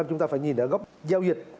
chúng ta phải nhìn ở góc giao dịch